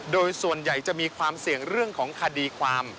โดยส่วนใหญ่จะมีความเสี่ยงเรื่องของคดีความ